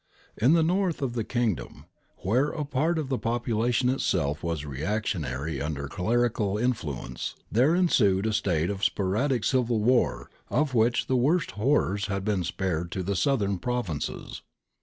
In the north of the kingdom, where a part of the population itself was reactionary under clerical influence, there ensued a state of sporadic civil war of which the worst horrors had been spared to the southern provinces.